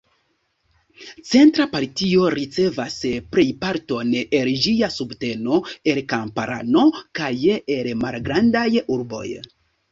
Centra partio ricevas plejparton el ĝia subteno el kamparano kaj el malgrandaj urboj.